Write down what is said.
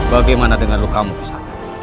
bagaimana dengan lukamu kisana